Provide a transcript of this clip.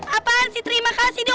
apaan sih terima kasih nih